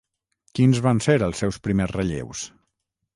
Quins van ser els seus primers relleus?